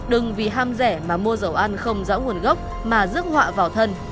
đừng vì ham rẻ mà mua dầu ăn không rõ nguồn gốc mà rước họa vào thân